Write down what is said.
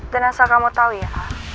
dan asal kamu tahu ya